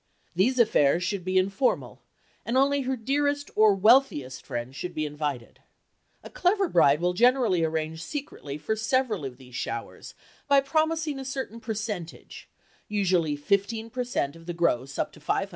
These affairs should be informal and only her dearest or wealthiest friends should be invited. A clever bride will generally arrange secretly for several of these "showers" by promising a certain percentage (usually 15% of the gross up to $500.